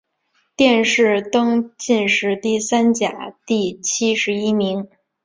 殿试登进士第三甲第七十一名。